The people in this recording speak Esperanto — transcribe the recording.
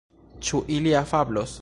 Ĉu ili afablos?